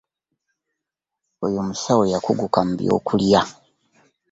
Oyo musawo yakuguka mu by'okulya.